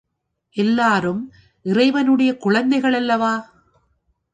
எல்லாரும் இறைவனுடைய குழந்தைகள் அல்லவா?